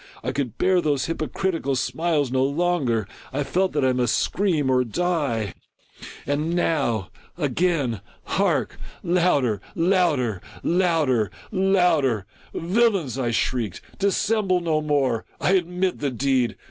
I could bear those hypocritical smiles no longer ! I felt that I must scream or die !— and now — again !— hark ! louder ! louder ! louder ! louder !—" Villains! " I shrieked, " dissemble no more! I admit the deed?